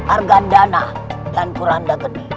argan dana dan kuranda gedi